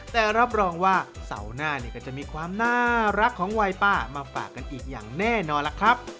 แต่รับรองว่าเสาร์หน้าก็จะมีความน่ารักของวัยป้ามาฝากกันอีกอย่างแน่นอนล่ะครับ